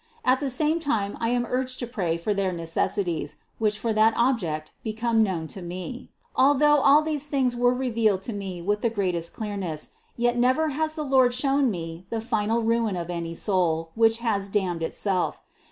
At the same time I am urged to pray for their ne cessities, which for that object become known to me. 20. Although all these things were revealed to me with the greatest clearness, yet never has the Lord shown me the final ruin of any soul, which has damned itself.